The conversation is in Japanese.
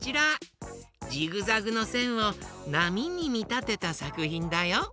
ジグザグのせんをなみにみたてたさくひんだよ。